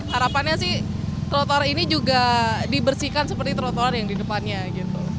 harapannya sih trotoar ini juga dibersihkan seperti trotoar yang di depannya gitu